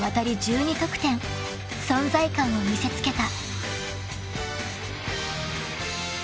［存在感を見せつけた］